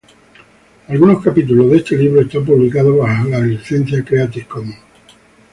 Algunos capítulos de este libro están publicados bajo la licencia Creative Commons.